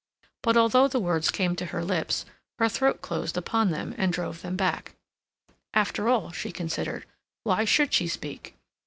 But although the words came to her lips, her throat closed upon them and drove them back. After all, she considered, why should she speak?